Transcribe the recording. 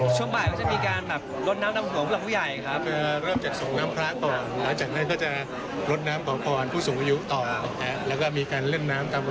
ช่วงบ่ายเหมือนจะมีวิธีลดน้ำผู้ใหญ่ด้วยเพราะท่อผู้แก่นะมีอะไรบ้างค่ะ